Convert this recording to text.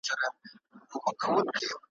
له بلبله څخه هېر سول پروازونه `